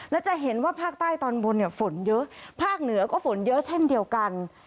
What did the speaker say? และจะเห็นว่าภาคใต้ตอนบนฝนเยอะภาคเหนือก็ฝนเยอะเช่นเดียวกัน